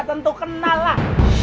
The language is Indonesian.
tentu kenal lah